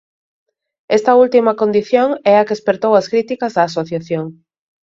Esta última condición é a que espertou as críticas da asociación.